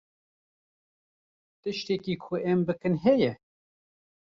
Tiştekî ku em bikin heye?